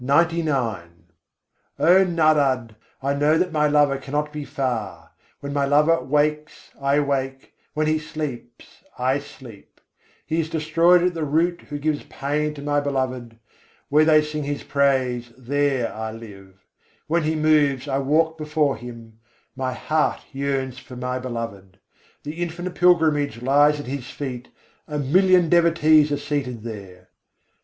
111. Nârad, pyâr so antar nâhî Oh Narad! I know that my Lover cannot be far: When my Lover wakes, I wake; when He sleeps, I sleep. He is destroyed at the root who gives pain to my Beloved. Where they sing His praise, there I live; When He moves, I walk before Him: my heart yearns for my Beloved. The infinite pilgrimage lies at His feet, a million devotees are seated there.